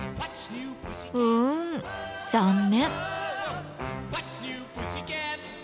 うん残念！